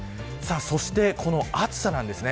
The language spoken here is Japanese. そして、この暑さなんですね。